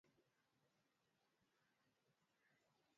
na asilimia ishirini na moja kwa mafuta ya taa